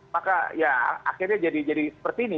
maka ya akhirnya jadi seperti ini